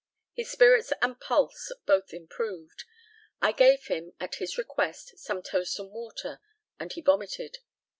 His spirits and pulse both improved. I gave him, at his request, some toast and water, and he vomited.